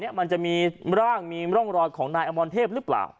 นี้มันจะมีร่างมีร่องรอดของนายอมวลเทพฯรึปล่าว